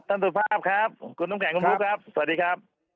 สุภาพครับคุณน้ำแข็งคุณบุ๊คครับสวัสดีครับ